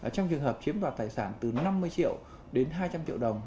trong trường hợp chiếm đoạt tài sản từ năm mươi triệu đến hai trăm linh triệu đồng